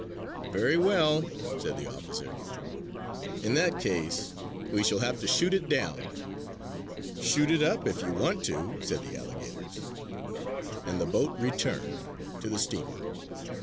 "Very well!" said the officer. "In that case, we shall have to shoot it down!" "Shoot it up if you want to!" said the alligators. And the boat returned to the steamer.